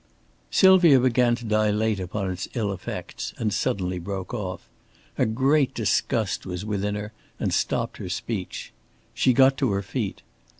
Sylvia began to dilate upon its ill effects, and suddenly broke off. A great disgust was within her and stopped her speech. She got to her feet.